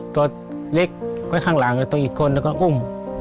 ตัวเล็กไว้ข้างหลังแล้วตัวอีกคนแล้วก็อุ้ม